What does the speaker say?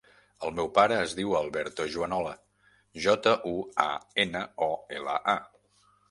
El meu pare es diu Alberto Juanola: jota, u, a, ena, o, ela, a.